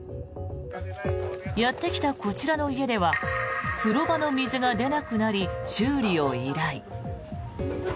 やってきたこちらの家では風呂場の水が出なくなり修理を依頼。